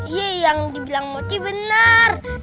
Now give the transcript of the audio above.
iya yang dibilang mochi beneran